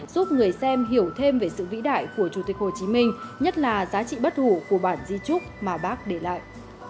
giúp người xem hiểu thêm về sự vĩ đại của chủ tịch hồ chí minh nhất là giá trị bất hủ của bản di trúc mà bác để lại